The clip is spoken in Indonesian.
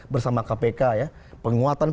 bersama kpk ya penguatan